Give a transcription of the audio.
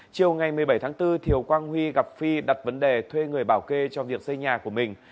chiều ngày một mươi bảy tháng bốn thiếu quang huy gặp phi đặt vấn đề thuê người bảo kê cho việc xây nhà của mình